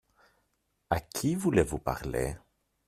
À qui voulez-vous parler ?